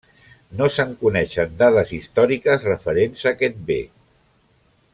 No se'n coneixen dades històriques referents a aquest bé.